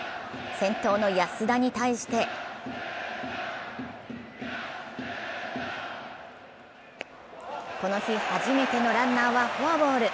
先頭の安田に対してこの日、初めてのランナーはフォアボール。